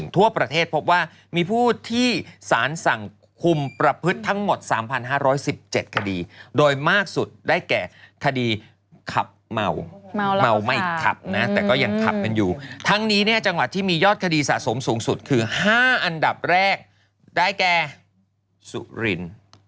ทั่วประเทศพบว่ามีผู้ที่สารสั่งคุมประพฤติทั้งหมด๓๕๑๗คดีโดยมากสุดได้แก่คดีขับเมาเมาไม่ขับนะแต่ก็ยังขับกันอยู่ทั้งนี้เนี่ยจังหวัดที่มียอดคดีสะสมสูงสุดคือ๕อันดับแรกได้แก่สุรินทร์